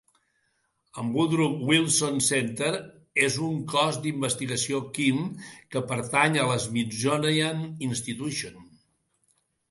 El Woodrow Wilson Center és un cos d'investigació kim que pertany a la Smithsonian Institution.